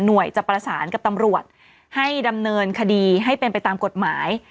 จะประสานกับตำรวจให้ดำเนินคดีให้เป็นไปตามกฎหมาย